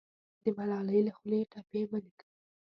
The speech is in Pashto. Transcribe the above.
د ملالۍ له خولې ټپې مه لیکه